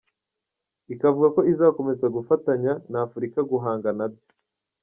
Ikavuga ko izakomeza gufatanya na Afurika guhanga nabyo.